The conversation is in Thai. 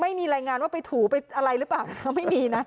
ไม่มีรายงานว่าไปถูไปอะไรหรือเปล่าไม่มีนะ